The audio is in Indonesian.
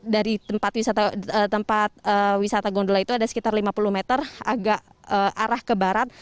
dari tempat wisata gondola itu ada sekitar lima puluh meter agak arah ke barat